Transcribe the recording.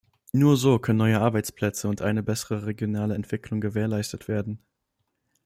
Nur so können neue Arbeitsplätze und eine bessere regionale Entwicklung gewährleistet werden.